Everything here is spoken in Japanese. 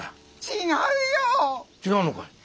違うのかい？